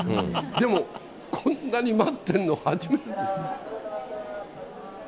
でも、こんなに待ってるの初めてです。